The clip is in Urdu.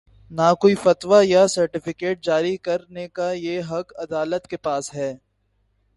نہ کوئی فتوی یا سرٹیفکیٹ جاری کر نے کا یہ حق عدالت کے پاس ہے۔